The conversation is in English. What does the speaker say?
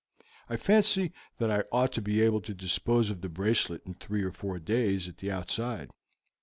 I fancy that I ought to be able to dispose of the bracelet in three or four days at the outside.